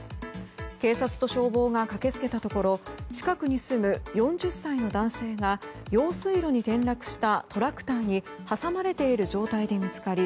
警察と消防が駆け付けたところ近くに住む４０歳の男性が用水路に転落したトラクターに挟まれている状態で見つかり